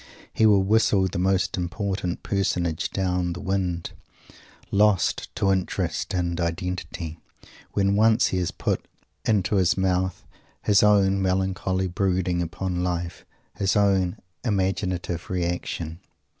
He will whistle the most important personage down the wind, lost to interest and identity, when once he has put into his mouth his own melancholy brooding upon life his own imaginative reaction.